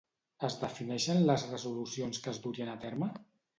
Es defineixen les resolucions que es durien a terme?